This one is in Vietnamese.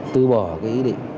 tư bỏ ý định